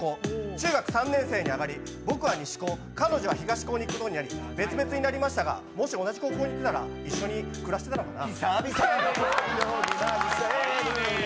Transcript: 中学３年生に上がり僕は西校、彼女は東校に行くことになり、別々になりましたが、もし同じ高校に行ってたら一緒に暮らしてたのかな。